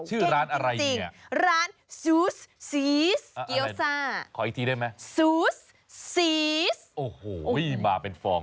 ชื่อร้านอะไรจริงร้านซูสซีสเกี้ยวซ่าขออีกทีได้ไหมซูสซีสโอ้โหมาเป็นฟอง